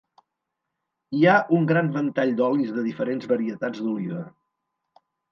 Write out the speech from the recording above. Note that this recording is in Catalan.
Hi ha un gran ventall d’olis de diferents varietats d’oliva.